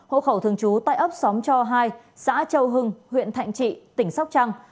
hộ khẩu thường trú tại ấp xóm cho hai xã châu hưng huyện thạnh trị tỉnh sóc trăng